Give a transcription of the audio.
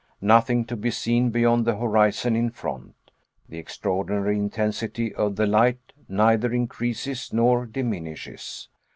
Nothing to be seen beyond the horizon in front. The extraordinary intensity of the light neither increases nor diminishes.